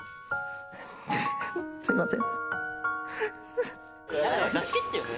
すみません。